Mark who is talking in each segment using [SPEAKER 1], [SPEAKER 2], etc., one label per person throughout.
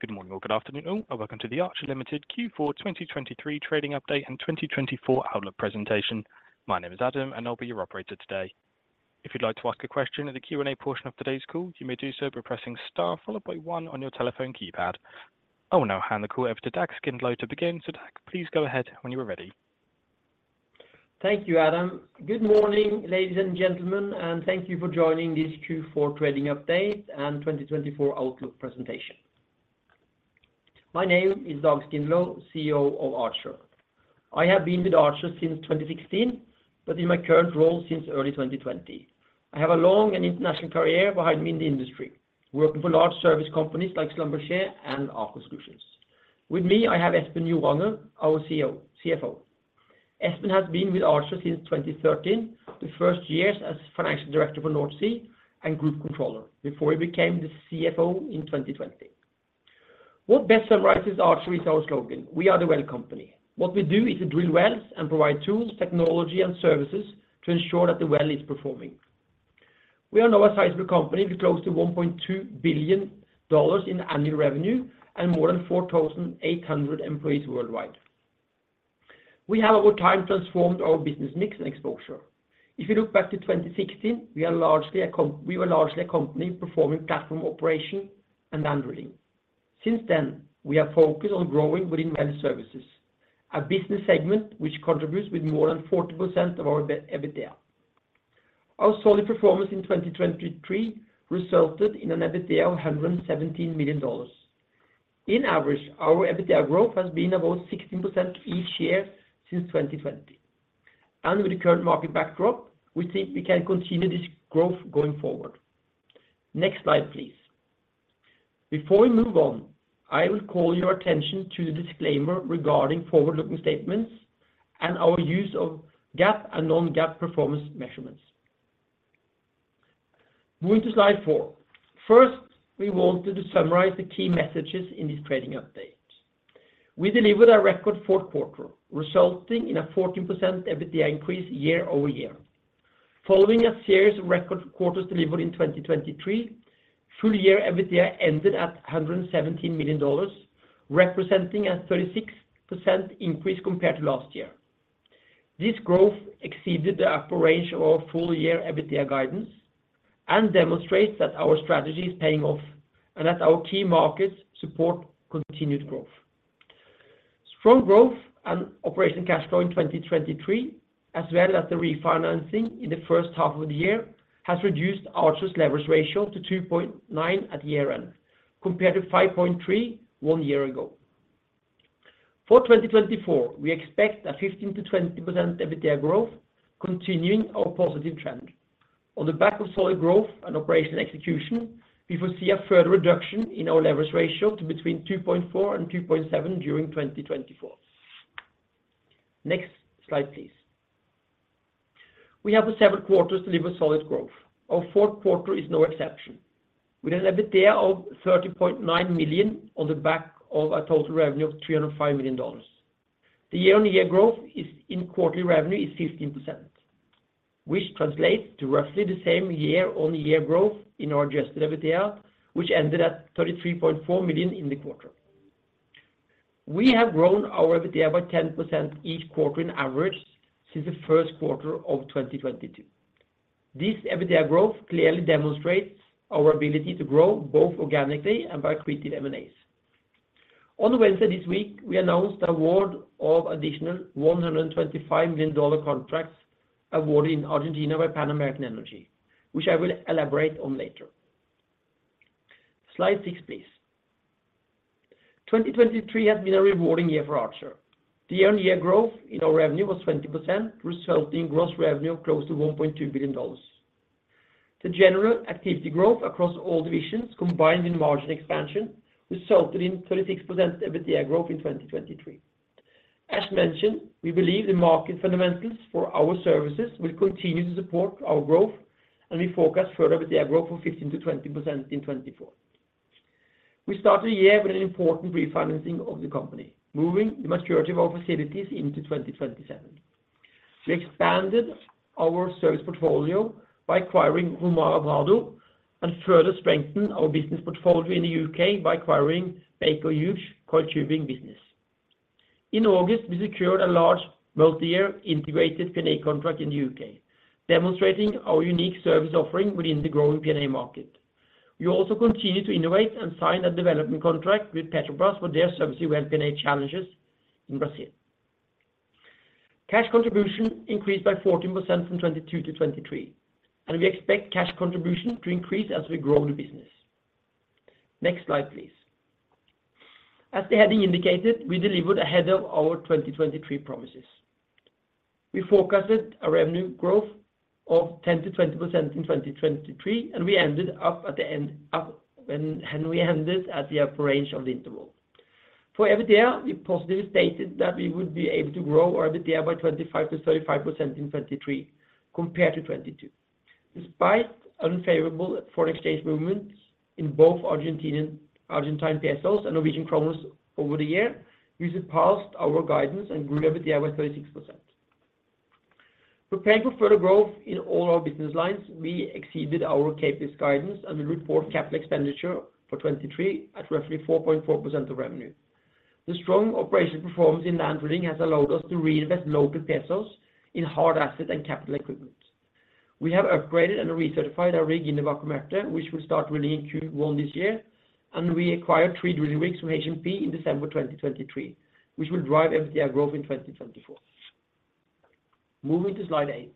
[SPEAKER 1] Good morning or good afternoon, all, and welcome to the Archer Limited Q4 2023 Trading Update and 2024 Outlook Presentation. My name is Adam, and I'll be your operator today. If you'd like to ask a question in the Q&A portion of today's call, you may do so by pressing star, followed by one on your telephone keypad. I will now hand the call over to Dag Skindlo to begin. So, Dag, please go ahead when you are ready.
[SPEAKER 2] Thank you, Adam. Good morning, ladies and gentlemen, and thank you for joining this Q4 Trading Update and 2024 Outlook Presentation. My name is Dag Skindlo, CEO of Archer. I have been with Archer since 2016, but in my current role since early 2020. I have a long and international career behind me in the industry, working for large service companies like Schlumberger and Aquamarine Subsea. With me, I have Espen Joranger, our CFO. Espen has been with Archer since 2013, the first years as Financial Director for North Sea and Group Controller, before he became the CFO in 2020. What best summarizes Archer is our slogan, we are the well company. What we do is to drill wells and provide tools, technology, and services to ensure that the well is performing. We are now a sizable company with close to $1.2 billion in annual revenue and more than 4,800 employees worldwide. We have over time transformed our business mix and exposure. If you look back to 2016, we were largely a company performing platform operation and handling. Since then, we have focused on growing within well services, a business segment which contributes with more than 40% of our EBITDA. Our solid performance in 2023 resulted in an EBITDA of $117 million. In average, our EBITDA growth has been about 16% each year since 2020. With the current market backdrop, we think we can continue this growth going forward. Next slide, please. Before we move on, I will call your attention to the disclaimer regarding forward-looking statements and our use of GAAP and non-GAAP performance measurements. Moving to slide four. First, we wanted to summarize the key messages in this trading update. We delivered a record fourth quarter, resulting in a 14% EBITDA increase year-over-year. Following a series of record quarters delivered in 2023, full year EBITDA ended at $117 million, representing a 36% increase compared to last year. This growth exceeded the upper range of our full year EBITDA guidance and demonstrates that our strategy is paying off and that our key markets support continued growth. Strong growth and operating cash flow in 2023, as well as the refinancing in the first half of the year, has reduced Archer's leverage ratio to 2.9 at year-end, compared to 5.3 one year ago. For 2024, we expect a 15%-20% EBITDA growth, continuing our positive trend. On the back of solid growth and operating execution, we will see a further reduction in our leverage ratio to between 2.4 and 2.7 during 2024. Next slide, please. We have had several quarters to deliver solid growth. Our fourth quarter is no exception. With an EBITDA of $30.9 million on the back of a total revenue of $305 million. The year-on-year growth in quarterly revenue is 15%, which translates to roughly the same year-on-year growth in our adjusted EBITDA, which ended at $33.4 million in the quarter. We have grown our EBITDA by 10% each quarter in average since the first quarter of 2022. This EBITDA growth clearly demonstrates our ability to grow both organically and by accretive M&As. On Wednesday this week, we announced award of additional $125 million contracts awarded in Argentina by Pan American Energy, which I will elaborate on later. Slide six, please. 2023 has been a rewarding year for Archer. The year-on-year growth in our revenue was 20%, resulting in gross revenue of close to $1.2 billion. The general activity growth across all divisions, combined with margin expansion, resulted in 36% EBITDA growth in 2023. As mentioned, we believe the market fundamentals for our services will continue to support our growth, and we forecast further EBITDA growth for 15%-20% in 2024. We started the year with an important refinancing of the company, moving the maturity of our facilities into 2027. We expanded our service portfolio by acquiring Romfor Brado and further strengthen our business portfolio in the UK by acquiring Baker Hughes coiled tubing business. In August, we secured a large multi-year integrated P&A contract in the UK, demonstrating our unique service offering within the growing P&A market. We also continued to innovate and sign a development contract with Petrobras for their subsea P&A challenges in Brazil. Cash contribution increased by 14% from 2022-2023, and we expect cash contribution to increase as we grow the business. Next slide, please. As the heading indicated, we delivered ahead of our 2023 promises. We forecasted a revenue growth of 10%-20% in 2023, and we ended up at the upper range of the interval. For EBITDA, we positively stated that we would be able to grow our EBITDA by 25%-35% in 2023, compared to 2022. Despite unfavorable foreign exchange movements in both Argentine pesos and Norwegian kroner over the year, we surpassed our guidance and grew EBITDA by 36%. Preparing for further growth in all our business lines, we exceeded our CapEx guidance and we report capital expenditure for 2023 at roughly 4.4% of revenue. The strong operational performance in land drilling has allowed us to reinvest local pesos in hard assets and capital equipment. We have upgraded and recertified our rig in the Vaca Muerta, which will start drilling in Q1 this year, and we acquired three drilling rigs from H&P in December 2023, which will drive EBITDA growth in 2024. Moving to slide eight.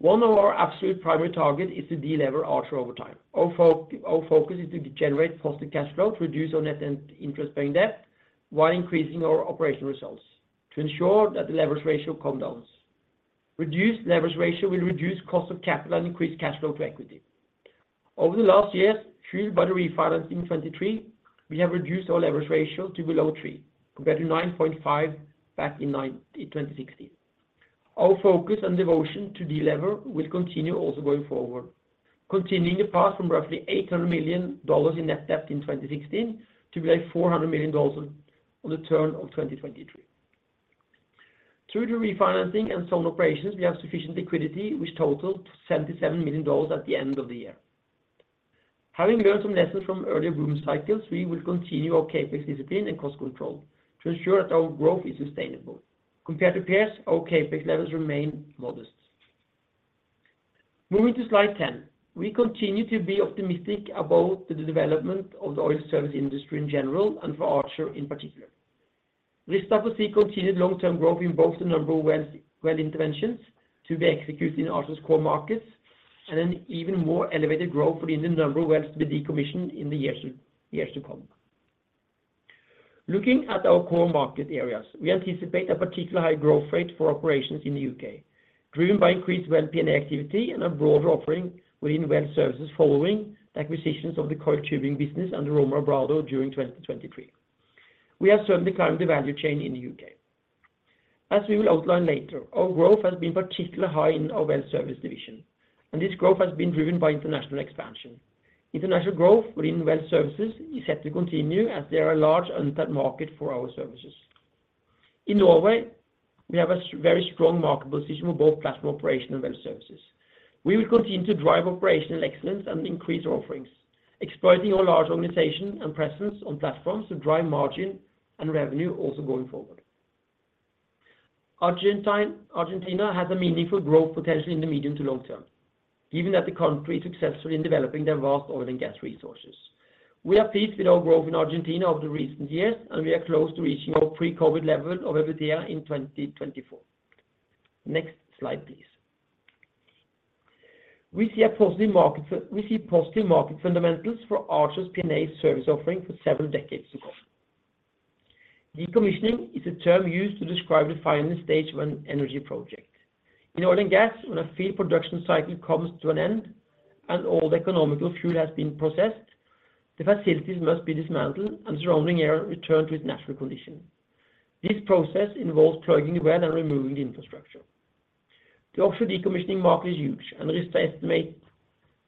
[SPEAKER 2] One of our absolute primary target is to delever Archer over time. Our focus is to generate positive cash flow, to reduce our net interest-paying debt, while increasing our operational results to ensure that the leverage ratio come downs. Reduced leverage ratio will reduce cost of capital and increase cash flow to equity. Over the last years, fueled by the refinance in 2023, we have reduced our leverage ratio to below three, compared to 9.5 back in 2019, in 2016. Our focus on devotion to delever will continue also going forward, continuing to pass from roughly $800 million in net debt in 2016 to be like $400 million on, on the turn of 2023. Through the refinancing and some operations, we have sufficient liquidity, which totaled $77 million at the end of the year. Having learned some lessons from earlier boom cycles, we will continue our CapEx discipline and cost control to ensure that our growth is sustainable. Compared to peers, our CapEx levels remain modest. Moving to slide 10, we continue to be optimistic about the development of the oil service industry in general, and for Archer in particular. We start to see continued long-term growth in both the number of well interventions to be executed in Archer's core markets, and an even more elevated growth within the number of wells to be decommissioned in the years to come. Looking at our core market areas, we anticipate a particular high growth rate for operations in the UK, driven by increased well P&A activity and a broader offering within well services following the acquisitions of the coiled tubing business and the Romfor Brado during 2023. We are certainly climbing the value chain in the UK. As we will outline later, our growth has been particularly high in our well service division, and this growth has been driven by international expansion. International growth within well services is set to continue as they are a large untapped market for our services. In Norway, we have a very strong market position with both platform operation and well services. We will continue to drive operational excellence and increase offerings, exploiting our large organization and presence on platforms to drive margin and revenue also going forward. Argentina, Argentina has a meaningful growth potential in the medium to long term, given that the country is successful in developing their vast oil and gas resources. We are pleased with our growth in Argentina over the recent years, and we are close to reaching our pre-COVID level of EBITDA in 2024. Next slide, please. We see positive market fundamentals for Archer's P&A service offering for several decades to come. Decommissioning is a term used to describe the final stage of an energy project. In oil and gas, when a field production cycle comes to an end and all the economical fuel has been processed, the facilities must be dismantled and the surrounding area returned to its natural condition. This process involves plugging the well and removing the infrastructure. The offshore decommissioning market is huge, and we estimate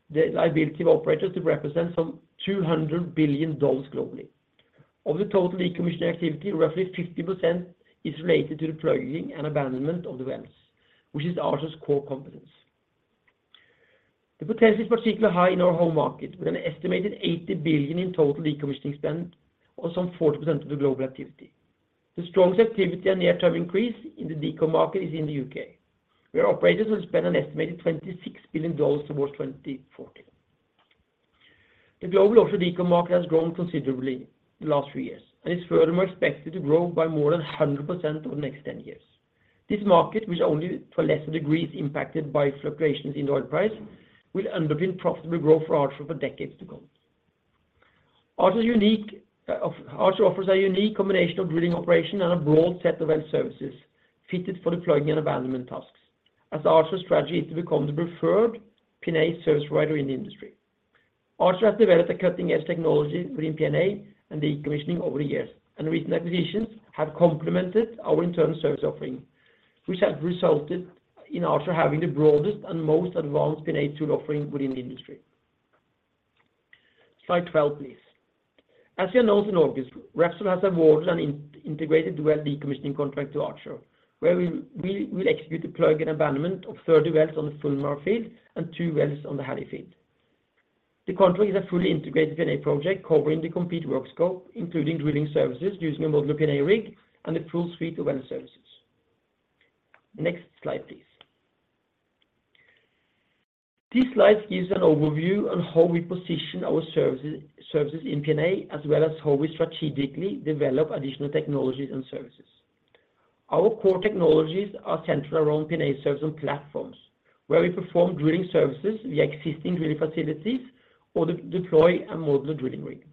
[SPEAKER 2] the liability of operators to represent some $200 billion globally. Of the total decommissioning activity, roughly 50% is related to the plugging and abandonment of the wells, which is Archer's core competence. The potential is particularly high in our home market, with an estimated $80 billion in total decommissioning spend, or some 40% of the global activity. The strongest activity and near-term increase in the deco market is in the UK, where operators will spend an estimated $26 billion towards 2040. The global offshore deco market has grown considerably in the last three years, and it's furthermore expected to grow by more than 100% over the next 10 years. This market, which only for lesser degree, is impacted by fluctuations in the oil price, will underpin profitable growth for Archer for decades to come. Archer's unique Archer offers a unique combination of drilling operation and a broad set of well services fitted for the plugging and abandonment tasks, as the Archer strategy is to become the preferred P&A service provider in the industry. Archer has developed a cutting-edge technology within P&A and decommissioning over the years, and recent acquisitions have complemented our internal service offering, which has resulted in Archer having the broadest and most advanced P&A tool offering within the industry. Slide 12, please. As you know, in August, Repsol has awarded an integrated well decommissioning contract to Archer, where we will execute the plug and abandonment of 30 wells on the Fulmar field and two wells on the Halley field. The contract is a fully integrated P&A project covering the complete work scope, including drilling services, using a modular P&A rig and a full suite of well services. Next slide, please. This slide gives an overview on how we position our services in P&A, as well as how we strategically develop additional technologies and services. Our core technologies are centered around P&A service on platforms, where we perform drilling services via existing drilling facilities or deploy a modular drilling rig.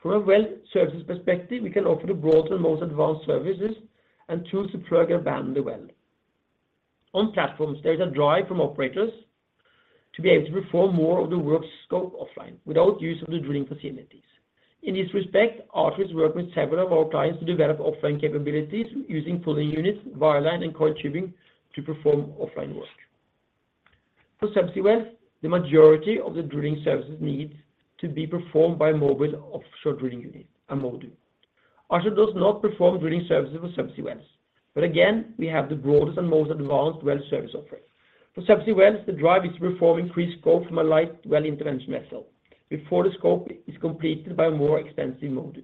[SPEAKER 2] From a well services perspective, we can offer the broader, most advanced services and tools to plug and abandon the well. On platforms, there is a drive from operators to be able to perform more of the work scope offline without use of the drilling facilities. In this respect, Archer is working with several of our clients to develop offline capabilities using pulling units, wireline, and coiled tubing to perform offline work. For subsea wells, the majority of the drilling services need to be performed by a mobile offshore drilling unit, a MODU. Archer does not perform drilling services for subsea wells, but again, we have the broadest and most advanced well service offering. For subsea wells, the drive is to perform increased scope from a light well intervention vessel before the scope is completed by a more extensive MODU.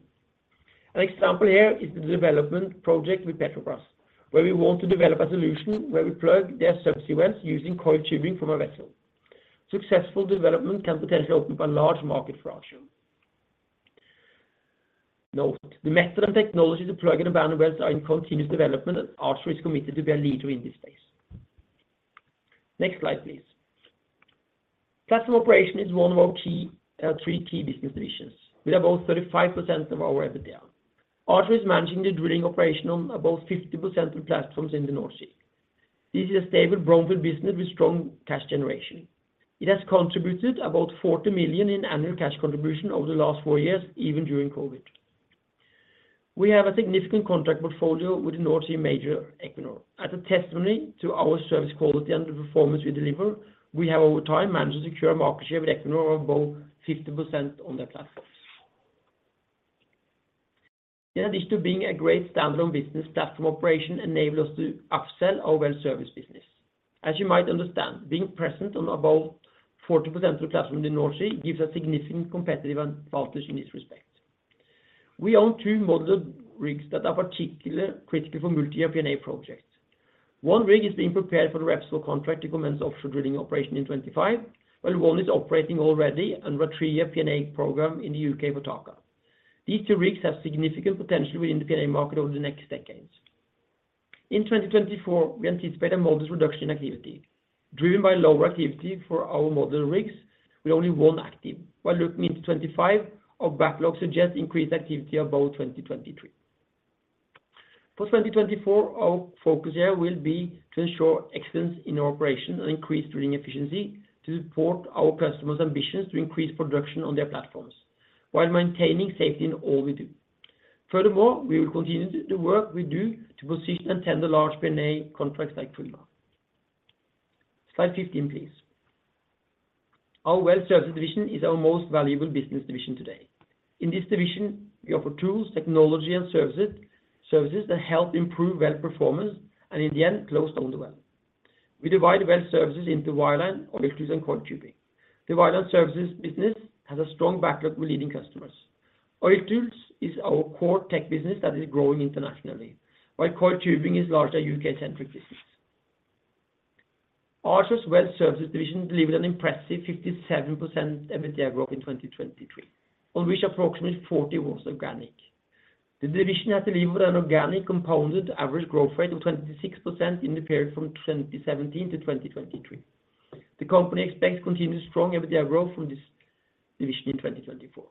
[SPEAKER 2] An example here is the development project with Petrobras, where we want to develop a solution where we plug their subsea wells using coiled tubing from a vessel. Successful development can potentially open up a large market for Archer. Note, the method and technology to plug and abandon wells are in continuous development, and Archer is committed to be a leader in this space. Next slide, please. Platform operation is one of our key three key business divisions, with about 35% of our EBITDA. Archer is managing the drilling operation on about 50% of the platforms in the North Sea. This is a stable, profitable business with strong cash generation. It has contributed about $40 million in annual cash contribution over the last four years, even during COVID. We have a significant contract portfolio with the North Sea major Equinor. As a testimony to our service quality and the performance we deliver, we have over time managed to secure a market share with Equinor of about 50% on their platforms. In addition to being a great standalone business, platform operations enables us to upsell our well services business. As you might understand, being present on about 40% of the platforms in the North Sea gives a significant competitive advantage in this respect. We own two modular rigs that are particularly critical for multi-year P&A projects. One rig is being prepared for the Repsol contract to commence offshore drilling operations in 2025, while one is operating already on a three-year P&A program in the UK for TAQA. These two rigs have significant potential within the P&A market over the next decades. In 2024, we anticipate a modest reduction in activity, driven by lower activity for our modular rigs, with only one active. While looking into 2025, our backlog suggests increased activity above 2023. For 2024, our focus here will be to ensure excellence in our operation and increase drilling efficiency to support our customers' ambitions to increase production on their platforms, while maintaining safety in all we do. Furthermore, we will continue the work we do to position and tender large P&A contracts like Fulmar. Slide 15, please. Our well service division is our most valuable business division today. In this division, we offer tools, technology, and services, services that help improve well performance and in the end, close down the well. We divide well services into wireline, oil tools, and coiled tubing. The wireline services business has a strong backlog with leading customers. Oil tools is our core tech business that is growing internationally, while coiled tubing is largely a UK-centric business. Archer's well services division delivered an impressive 57% EBITDA growth in 2023, on which approximately 40 was organic. The division has delivered an organic compounded average growth rate of 26% in the period from 2017 to 2023. The company expects continued strong EBITDA growth from this division in 2024.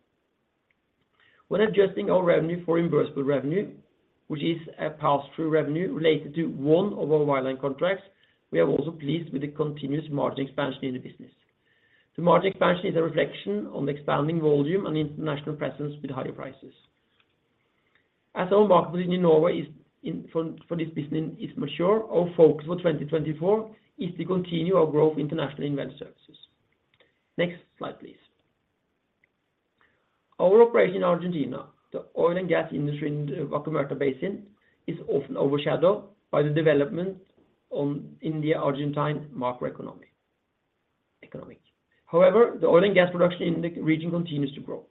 [SPEAKER 2] When adjusting our revenue for reimbursable revenue, which is a pass-through revenue related to one of our wireline contracts, we are also pleased with the continuous margin expansion in the business. The margin expansion is a reflection on the expanding volume and international presence with higher prices. As our market in Norway for this business is mature, our focus for 2024 is to continue our growth internationally in well services. Next slide, please. Our operation in Argentina, the oil and gas industry in the Vaca Muerta Basin, is often overshadowed by the development on in the Argentine macroeconomic, economic. However, the oil and gas production in the region continues to grow.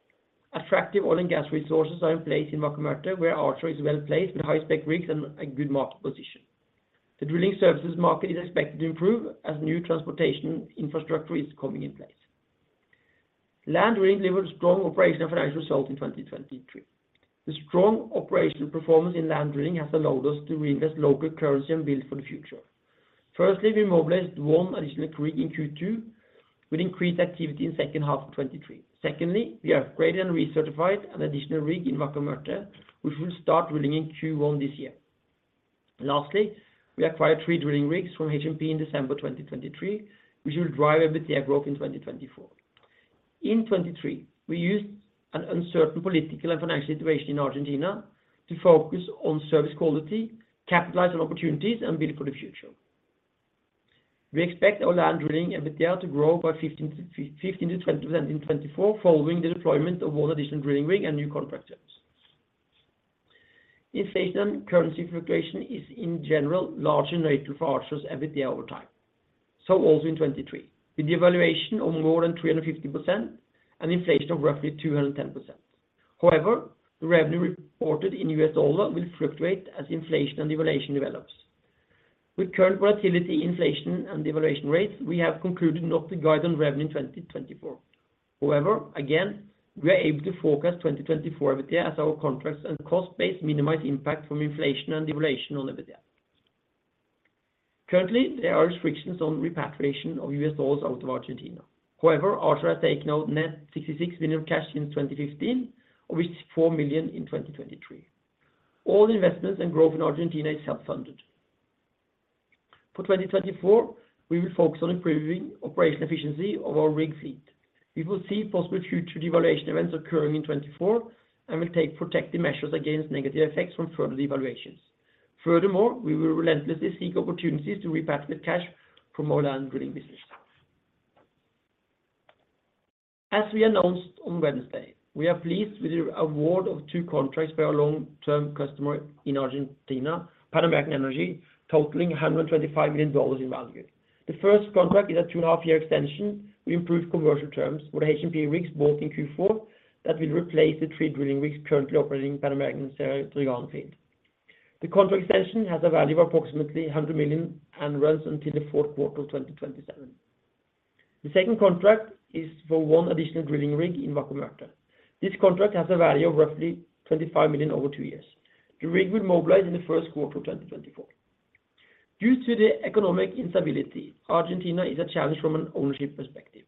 [SPEAKER 2] Attractive oil and gas resources are in place in Vaca Muerta, where Archer is well-placed with high-spec rigs and a good market position. The drilling services market is expected to improve as new transportation infrastructure is coming in place. Land drilling delivered strong operational and financial results in 2023. The strong operational performance in land drilling has allowed us to reinvest local currency and build for the future. Firstly, we mobilized one additional rig in Q2 with increased activity in second half of 2023. Secondly, we upgraded and recertified an additional rig in Vaca Muerta, which will start drilling in Q1 this year. Lastly, we acquired three drilling rigs from H&P in December 2023, which will drive EBITDA growth in 2024. In 2023, we used an uncertain political and financial situation in Argentina to focus on service quality, capitalize on opportunities, and build for the future. We expect our land drilling EBITDA to grow by 15%-20% in 2024, following the deployment of one additional drilling rig and new contract terms. Inflation and currency fluctuation is, in general, large in rate for Archer's EBITDA over time. So also in 2023, with devaluation of more than 350% and inflation of roughly 210%. However, the revenue reported in U.S. dollar will fluctuate as inflation and devaluation develops. With current volatility, inflation, and devaluation rates, we have concluded not to guide on revenue in 2024. However, again, we are able to forecast 2024 EBITDA as our contracts and cost base minimize impact from inflation and devaluation on EBITDA. Currently, there are restrictions on repatriation of US dollars out of Argentina. However, Archer has taken out net $66 million cash in 2015, of which $4 million in 2023. All investments and growth in Argentina is self-funded. For 2024, we will focus on improving operational efficiency of our rig fleet. We will see possible future devaluation events occurring in 2024, and will take protective measures against negative effects from further devaluations. Furthermore, we will relentlessly seek opportunities to repatriate cash from our land drilling business. As we announced on Wednesday, we are pleased with the award of two contracts by our long-term customer in Argentina, Pan American Energy, totaling $125 million in value. The first contract is a 2.5-year extension with improved commercial terms for the H&P rigs, both in Q4, that will replace the three drilling rigs currently operating Pan American's [Sierra Dragon] field. The contract extension has a value of approximately $100 million and runs until the fourth quarter of 2027. The second contract is for one additional drilling rig in Vaca Muerta. This contract has a value of roughly $25 million over two years. The rig will mobilize in the first quarter of 2024. Due to the economic instability, Argentina is a challenge from an ownership perspective.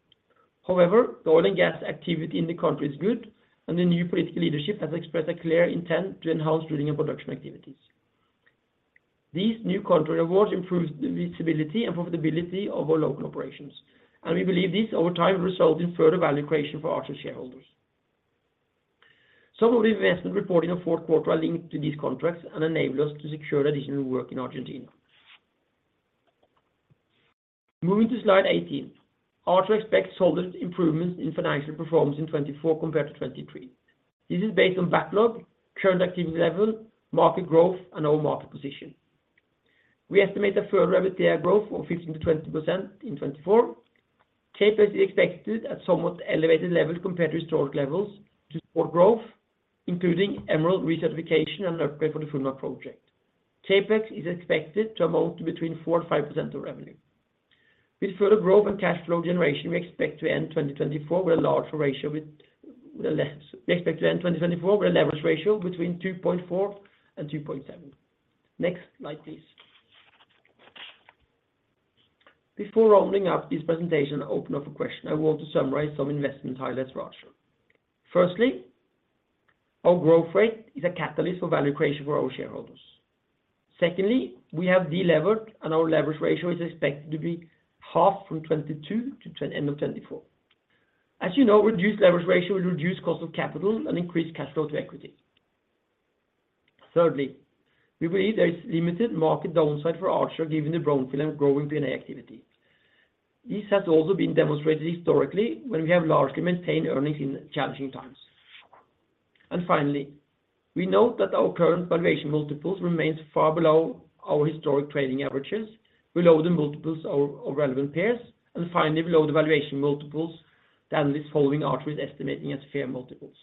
[SPEAKER 2] However, the oil and gas activity in the country is good, and the new political leadership has expressed a clear intent to enhance drilling and production activities. These new contract awards improves the visibility and profitability of our local operations, and we believe this, over time, will result in further value creation for Archer shareholders. Some of the investment reporting of fourth quarter are linked to these contracts and enable us to secure additional work in Argentina. Moving to slide 18, Archer expects solid improvements in financial performance in 2024 compared to 2023. This is based on backlog, current activity level, market growth, and our market position. We estimate a further revenue growth of 15%-20% in 2024. CapEx is expected at somewhat elevated level compared to historic levels to support growth, including Emerald recertification and upgrade for the Fulmar project. CapEx is expected to amount between 4%-5% of revenue. With further growth and cash flow generation, we expect to end 2024 with a leverage ratio between 2.4 and 2.7. Next, slide please. Before rounding up this presentation, open up a question, I want to summarize some investment highlights for Archer. Firstly, our growth rate is a catalyst for value creation for our shareholders. Secondly, we have delevered, and our leverage ratio is expected to be half from 2022 to end of 2024. As you know, reduced leverage ratio will reduce cost of capital and increase cash flow to equity. Thirdly, we believe there is limited market downside for Archer, given the strong field and growing P&A activity. This has also been demonstrated historically, when we have largely maintained earnings in challenging times. And finally, we note that our current valuation multiples remains far below our historic trading averages, below the multiples of relevant peers, and finally, below the valuation multiples than this following Archer is estimating at fair multiples.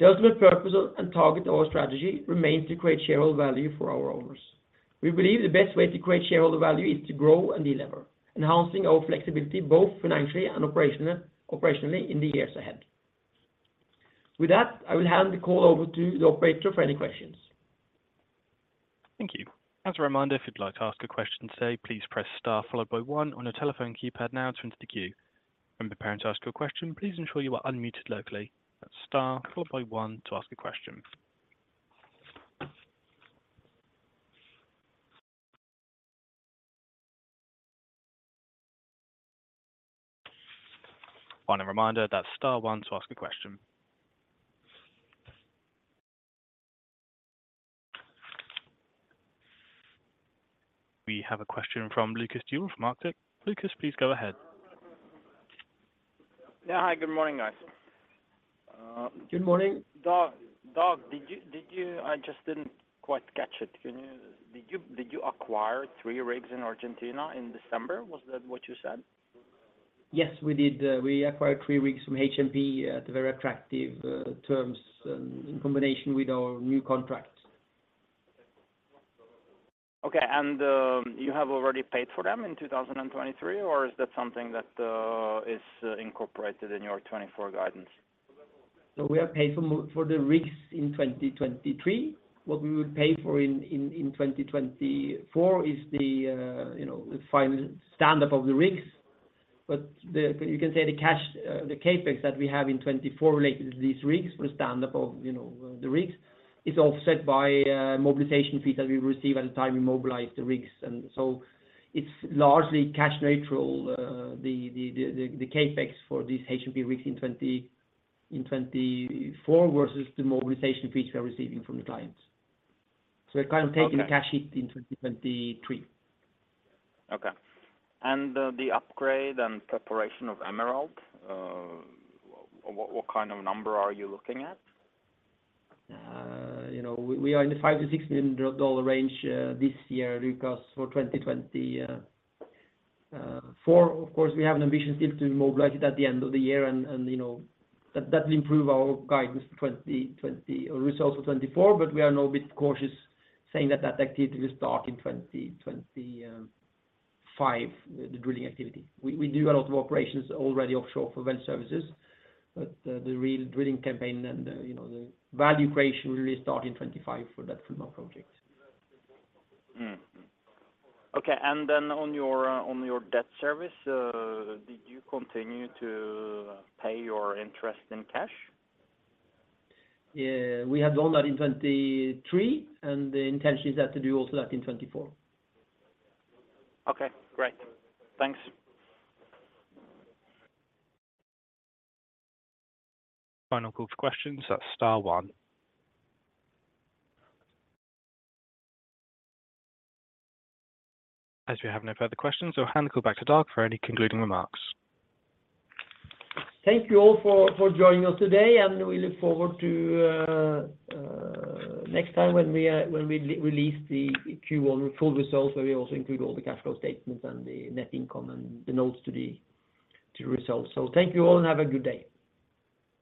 [SPEAKER 2] The ultimate purpose and target of our strategy remains to create shareholder value for our owners. We believe the best way to create shareholder value is to grow and delever, enhancing our flexibility, both financially and operationally in the years ahead. With that, I will hand the call over to the operator for any questions.
[SPEAKER 1] Thank you. As a reminder, if you'd like to ask a question today, please press star followed by one on your telephone keypad now to enter the queue. When preparing to ask your question, please ensure you are unmuted locally. That's star followed by one to ask a question. Final reminder, that's star one to ask a question. We have a question from Lucas Steel from Arctic. Lucas, please go ahead.
[SPEAKER 3] Yeah. Hi, good morning, guys.
[SPEAKER 2] Good morning.
[SPEAKER 3] Dag, I just didn't quite catch it. Did you acquire three rigs in Argentina in December? Was that what you said?
[SPEAKER 2] Yes, we did. We acquired three rigs from H&P at a very attractive terms, in combination with our new contracts.
[SPEAKER 3] Okay, and you have already paid for them in 2023, or is that something that is incorporated in your 2024 guidance?
[SPEAKER 2] So, we have paid for the rigs in 2023. What we would pay for in 2024 is the, you know, the final standup of the rigs. But the, you can say the cash, the CapEx that we have in 2024 related to these rigs, for the standup of, you know, the rigs, is offset by, mobilization fees that we receive at the time we mobilize the rigs. And so, it's largely cash neutral, the CapEx for these H&P rigs in 2024 versus the mobilization fees we are receiving from the clients.
[SPEAKER 3] Okay.
[SPEAKER 2] We're kind of taking a cash hit in 2023.
[SPEAKER 3] Okay. And the upgrade and preparation of Emerald, what kind of number are you looking at?
[SPEAKER 2] You know, we are in the $5-$6 million range this year because for 2024, of course, we have an ambition still to mobilize it at the end of the year, and, you know, that will improve our guidance for 2024 or results for 2024, but we are a bit more cautious, saying that that activity will start in 2025, the drilling activity. We do a lot of operations already offshore for well services, but the real drilling campaign and, you know, the value creation will really start in 2025 for that Fulmar project.
[SPEAKER 3] Mm-hmm. Okay, and then on your debt service, did you continue to pay your interest in cash?
[SPEAKER 2] Yeah, we have done that in 2023, and the intention is that to do also that in 2024.
[SPEAKER 3] Okay, great. Thanks.
[SPEAKER 1] Final call for questions, that's star one. As we have no further questions, I'll hand it back to Dag for any concluding remarks.
[SPEAKER 2] Thank you all for joining us today, and we look forward to next time when we release the Q1 full results, where we also include all the cash flow statements and the net income and the notes to the results. So, thank you all and have a good day.